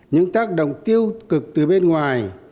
những tác động tiêu cực từ bên ngoài